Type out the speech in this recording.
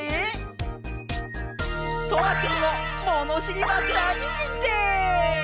とわくんをものしりマスターににんてい！